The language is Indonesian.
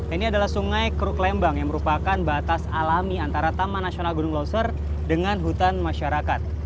ini adalah sungai kruk lembang yang merupakan batas alami antara taman nasional gunung loser dengan hutan masyarakat